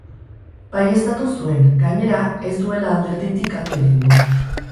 Baieztatu zuen, gainera, ez duela alderditik alde egingo.